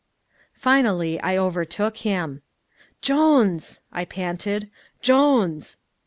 Finally I overtook him. "Jones," I panted. "Jones."